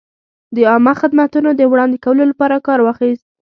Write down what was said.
د عامه خدمتونو د وړاندې کولو لپاره کار واخیست.